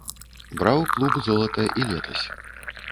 Браў клуб золата і летась.